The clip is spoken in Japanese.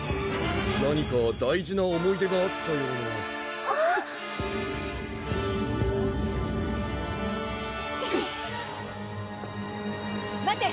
何か大事な思い出があったような待て！